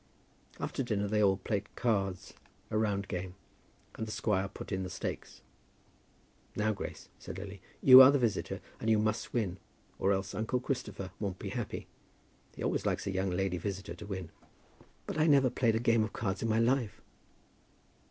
After dinner they all played cards, a round game, and the squire put in the stakes. "Now, Grace," said Lily, "you are the visitor and you must win, or else uncle Christopher won't be happy. He always likes a young lady visitor to win." "But I never played a game of cards in my life."